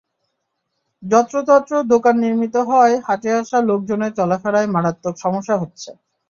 যত্রতত্র দোকান নির্মিত হওয়ায় হাটে আসা লোকজনের চলাফেরায় মারাত্মক সমস্যা হচ্ছে।